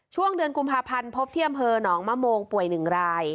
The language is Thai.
ช่วงเดือนกุมภาพันธ์พบเที่ยมเผอนองค์มะโมงป่วยหนึ่งราย